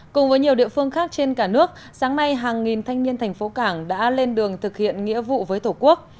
cùng với nhiều địa phương khác trên cả nước sáng nay hàng nghìn thanh niên thành phố cảng đã lên đường thực hiện nghĩa vụ với tổ quốc